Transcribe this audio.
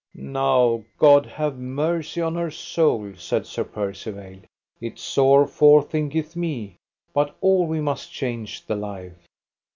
Now, God have mercy on her soul, said Sir Percivale, it sore forthinketh me; but all we must change the life.